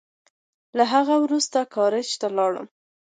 له هغه وروسته ګاراج ته ولاړم.